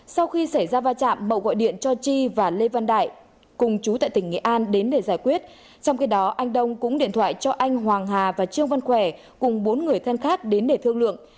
sau khi xảy ra va chạm mậu gọi điện cho chi và lê văn đại cùng chú tại tỉnh nghệ an đến để giải quyết trong khi đó anh đông cũng điện thoại cho anh hoàng hà và trương văn khỏe cùng bốn người thân khác đến để thương lượng